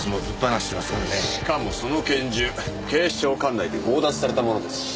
しかもその拳銃警視庁管内で強奪されたものですし。